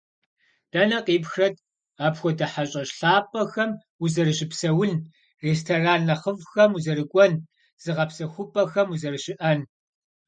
Дэнэ къипхрэт апхуэдэ хьэщӀэщ лъапӀэхэм узэрыщыпсэун, ресторан нэхъыфӀхэм узэрыкӀуэн, зыгъэпсэхупӀэхэм узэрыщыӀэн?